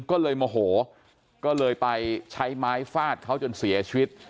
ก็เลยโมโหก็เลยไปใช้ไม้ฟาดเขาจนเสียชีวิต